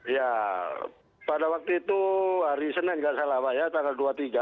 ya pada waktu itu hari senin nggak salah pak ya tanggal dua puluh tiga